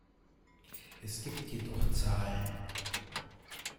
Es gibt jedoch Zahlen.